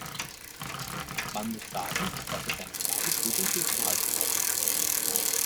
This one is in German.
Man muss sagen, dass er seinen Trabi gut in Schuss gehalten hat.